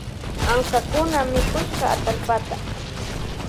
Ankakuna mikushka atallpata.